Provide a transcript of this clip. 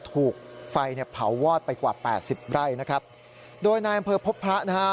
ถูกไฟเนี่ยเผาวอดไปกว่าแปดสิบไร่นะครับโดยนายอำเภอพบพระนะฮะ